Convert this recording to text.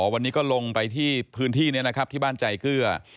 วันนี้ก็ลงไปที่พื้นที่นี้นะครับที่บ้านใจเกลือ